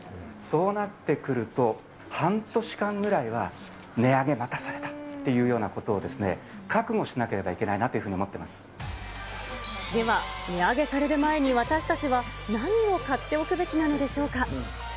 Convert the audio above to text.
そうなってくると、半年間ぐらいは、値上げまたされたというようなことを覚悟しなければいけないなとでは、値上げされる前に私たちは何を買っておくべきなのでしょうか。